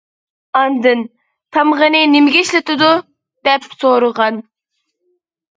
ئاندىن : «تامغىنى نېمىگە ئىشلىتىدۇ؟ » دەپ سورىغان.